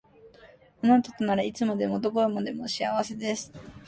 あなたとならいつでもどこでも幸せです